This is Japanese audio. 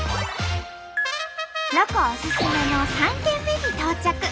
ロコおすすめの３軒目に到着。